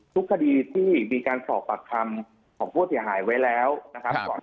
ทุกคดีที่มีการสอบปากคำของผู้เสียหายไว้แล้วนะครับ